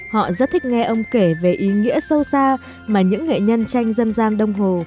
họ rất thích nghe ông kể về ý nghĩa sâu xa mà những nghệ nhân tranh dân gian đông hồ